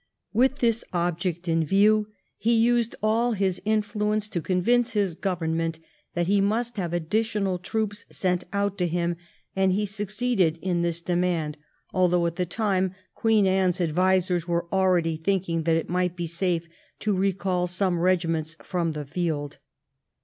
23 With this object in view he used all his influence to convince his Government that he must have additional troops sent out to him, and he succeeded in this demand, although at the time Queen Anne's advisers were already thinking that it might be safe to recall some regiments from the field.